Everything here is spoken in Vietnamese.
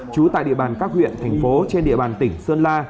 trú tại địa bàn các huyện thành phố trên địa bàn tỉnh sơn la